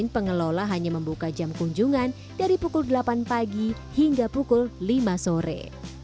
pengunjungan dari pukul delapan pagi hingga pukul lima sore